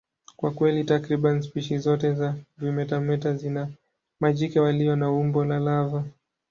Kwa kweli, takriban spishi zote za vimetameta zina majike walio na umbo la lava.